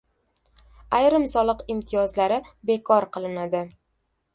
Ayrim soliq imtiyozlari bekor qilinadi